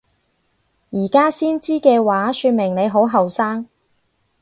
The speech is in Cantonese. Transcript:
而家先知嘅話說明你好後生！